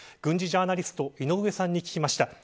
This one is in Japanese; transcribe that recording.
軍事ジャーナリスト井上さんに聞きました。